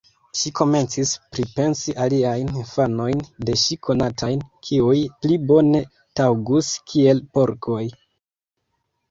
Ŝi komencis pripensi aliajn infanojn de ŝi konatajn, kiuj pli bone taŭgus kiel porkoj.